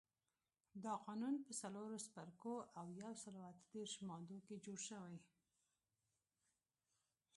دا قانون په څلورو څپرکو او یو سلو اته دیرش مادو کې جوړ شوی.